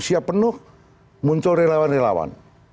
siap penuh muncul relawan relawan